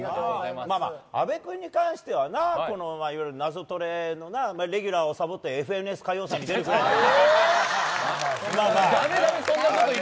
阿部君に関してはいろいろ「ナゾトレ」のレギュラーをサボって「ＦＮＳ歌謡祭」に出るぐらいだから。